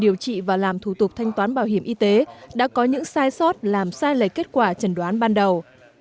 điều trị và làm thủ tục thanh toán bảo hiểm y tế đã có những sai sót làm sai lệch kết quả trần đoán ban đầu